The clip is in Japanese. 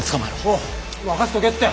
おう任せとけって。